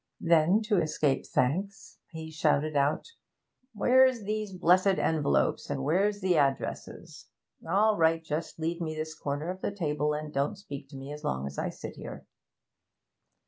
Then, to escape thanks, he shouted out, 'Where's these blessed envelopes, and where's the addresses? All right, just leave me this corner of the table and don't speak to me as long as I sit here.'